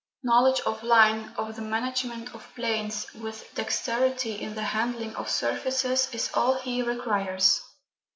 Knowledge of line, of the management of planes, with dexterity in the handling of surfaces, is all he requires.